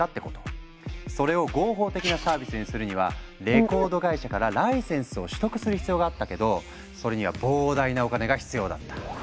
それを合法的なサービスにするにはレコード会社からライセンスを取得する必要があったけどそれには膨大なお金が必要だった。